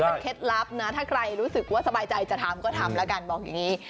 เป็นเคล็ดลับนะถ้าใครรู้สึกว่าสบายใจจะทำก็ทำแล้วกันบอกอย่างนี้